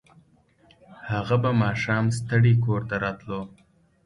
هغه به ماښام ستړی کور ته راتلو